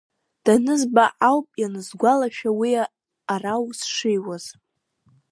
Данызба ауп ианысгәалашәа уи ара аус шиуаз.